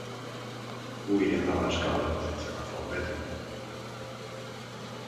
Vull anar a l'Escala sense agafar el metro.